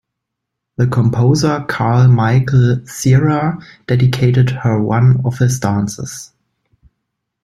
The composer Karl Michael Ziehrer dedicated her one of his dances.